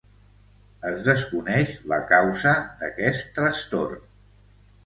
Es desconeix la causa d'aquest trastorn.